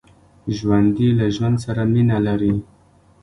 ژوندي له ژوند سره مینه لري